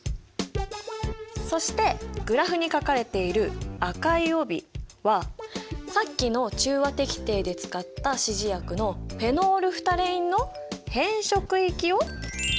そしてグラフに書かれている赤い帯はさっきの中和滴定で使った指示薬のフェノールフタレインの変色域を表している。